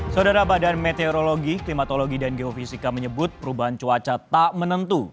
saudara badan meteorologi klimatologi dan geofisika menyebut perubahan cuaca tak menentu